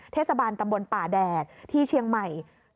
เทศบาลตำบลป่าแดดที่เชียงใหม่